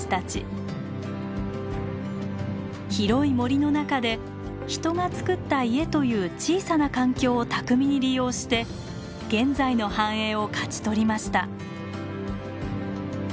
広い森の中で人が造った家という小さな環境を巧みに利用して現在の繁栄を勝ち取りました。